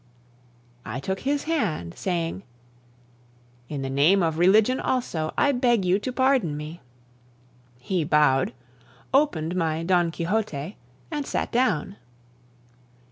I took his hand, saying: "In the name of religion also, I beg you to pardon me." He bowed, opened my Don Quixote, and sat down.